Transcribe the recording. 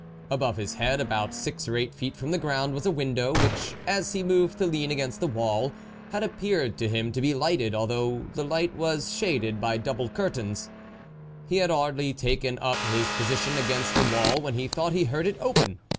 Above his head, about six or eight feet from the ground, was a window, which, as he moved to lean against the wall, had appeared to him to be lighted, although the light was shaded by double curtains. He had hardly taken up his position against the wall when he thought he heard it open.